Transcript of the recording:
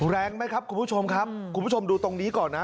แรงไหมครับคุณผู้ชมครับคุณผู้ชมดูตรงนี้ก่อนนะ